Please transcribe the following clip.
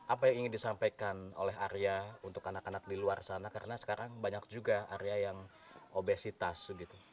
apa yang ingin disampaikan oleh arya untuk anak anak di luar sana karena sekarang banyak juga area yang obesitas